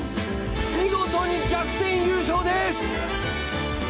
見事に逆転優勝です！